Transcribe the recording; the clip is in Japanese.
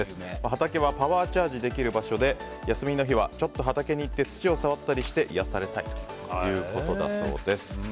畑はパワーチャージできる場所で休みの日はちょっと畑に行って土を触ったりして癒やされたいということだそうです。